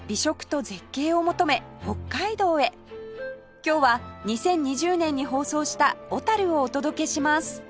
今日は２０２０年に放送した小をお届けします